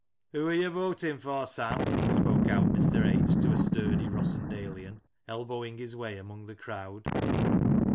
"Who are you voting for, Sam?" spoke out Mr. H. to a sturdy Rossendalean, elbowing his way among the crowd.